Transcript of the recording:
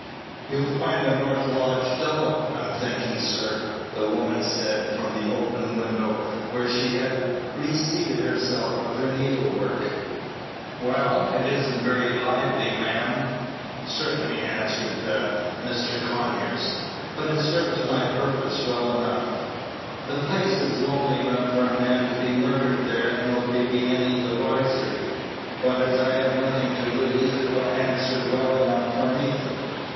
"You'll find the north lodge dull, I'm thinking, sir," the woman said, from the open window, where she had reseated herself with her needle work. "Well, it is n't very lively, ma'am, certainly," answered Mr. Conyers, "but it serves my purpose well enough. The place is lonely enough for a man to be murdered there and nobody be any the wiser; but, as I have nothing to lose, it will answer well enough for me."